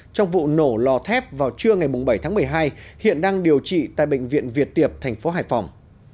trong vụ nổ lò thép vào trưa ngày bảy tháng một mươi hai hiện đang điều trị tại bệnh viện việt tiệp thành phố hải phòng